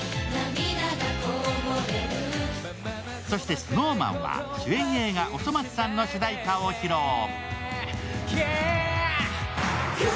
そして、ＳｎｏｗＭａｎは主演映画「おそ松さん」の主題歌を披露。